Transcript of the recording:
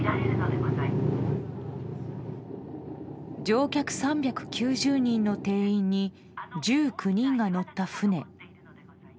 乗客３９０人の定員に１９人が乗った船。